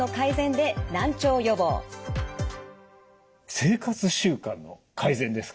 生活習慣の改善ですか。